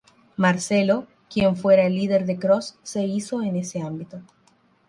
Marcelo, quien fuera el líder de Cross se hizo en ese ámbito.